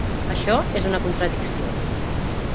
Això és una contradicció.